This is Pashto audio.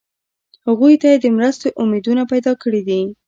هغوی ته یې د مرستې امیدونه پیدا کړي دي.